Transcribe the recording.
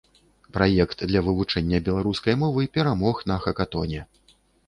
Праект для вывучэння беларускай мовы перамог на хакатоне.